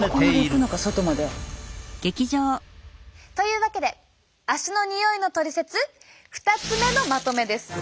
というわけで足のにおいのトリセツ２つ目のまとめです。